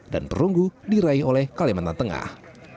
dan perunggu diraih oleh kalimantan tengah